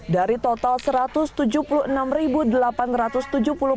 dari total satu ratus tujuh puluh enam rupiah